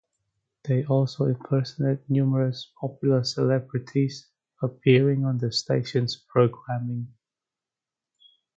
They also impersonate numerous popular celebrities appearing on the station's programming.